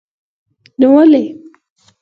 نو ولې.